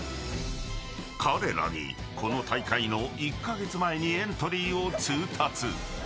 彼らに、この大会の１カ月前にエントリーを通達。